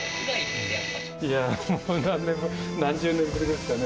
いやー、もう何十年ぶりですかね。